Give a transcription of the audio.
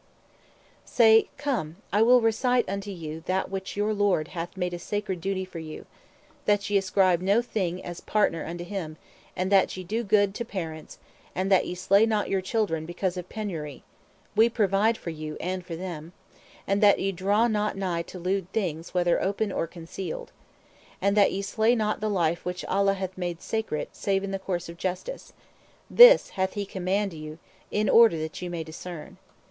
P: Say: Come, I will recite unto you that which your Lord hath made a sacred duty for you: That ye ascribe no thing as partner unto Him and that ye do good to parents, and that ye slay not your children because of penury We provide for you and for them and that ye draw not nigh to lewd things whether open or concealed. And that ye slay not the life which Allah hath made sacred, save in the course of justice. This He hath command you, in order that ye may discern.